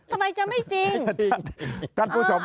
ทำไมจะไม่จริง